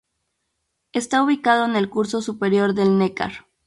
Está ubicado en el curso superior del Neckar.